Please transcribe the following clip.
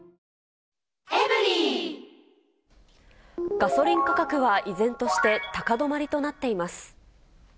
ガソリン価格は依然として、高止まりとなっています。